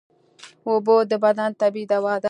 اوبه د بدن طبیعي دوا ده